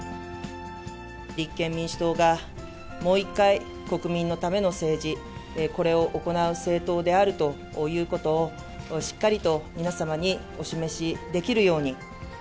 立憲民主党がもう一回、国民のための政治、これを行う政党であるということを、しっかりと皆様にお示しできるように。